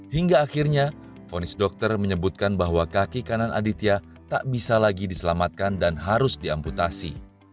hingga akhirnya ponis dokter menyebutkan bahwa kaki kanan aditya tak bisa lagi diselamatkan dan harus diamputasi